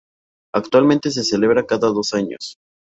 Actualmente se celebra cada dos años.